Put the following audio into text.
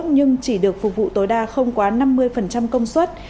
nhưng chỉ được phục vụ tối đa không quá năm mươi công suất